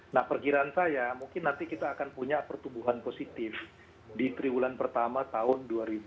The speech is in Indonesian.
nah perkiraan saya mungkin nanti kita akan punya pertumbuhan positif di triwulan pertama tahun dua ribu dua puluh